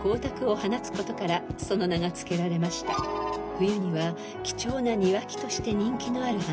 ［冬には貴重な庭木として人気のある花］